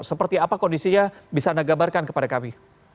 seperti apa kondisinya bisa anda gambarkan kepada kami